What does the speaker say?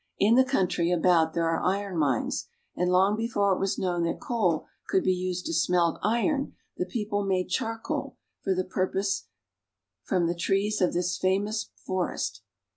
In the country about there are iron mines, and long before it was known that coal could be used to smelt iron the people made charcoal for the purpose from the trees of this famous forest.